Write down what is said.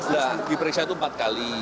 sudah diperiksa itu empat kali